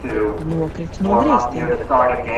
Nokrita no griestiem!